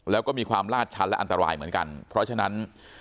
แล้วก็มีความลาดชั้นและอันตรายเหมือนกันเพราะฉะนั้น